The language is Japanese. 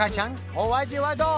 お味はどう？